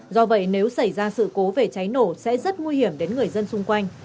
do vậy nếu xảy ra sự cố về cháy nổ sẽ rất nguy hiểm đến người dân xung quanh